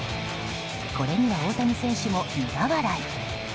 これには大谷選手も苦笑い。